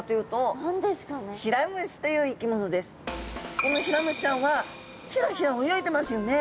このヒラムシちゃんはヒラヒラ泳いでますよね。